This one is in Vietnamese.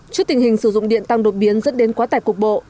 trước tình hình sử dụng điện tăng đột biến dẫn đến quá tải cục bộ